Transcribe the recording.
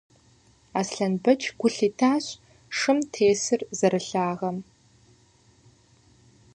Аслъэнбэч гу лъитащ шым тесыр зэрылъагэм.